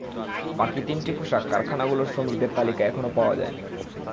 বাকি তিনটি পোশাক কারখানাগুলোর শ্রমিকদের তালিকা এখনো পাওয়া যায়নি।